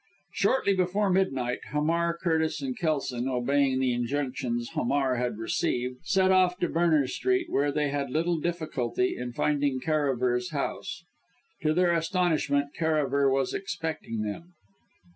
Shortly before midnight, Hamar, Curtis and Kelson, obeying the injunctions Hamar had received, set off to Berners Street, where they had little difficulty in finding Karaver's house. To their astonishment Karaver was expecting them.